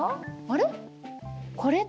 あれ？